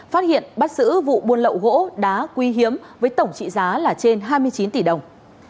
phát hiện bắt giữ vụ buôn lậu gỗ đá quý hiếm với tổng trị giá là trên hai mươi chín tỷ đồng